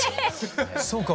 そうか。